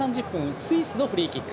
スイスのフリーキック。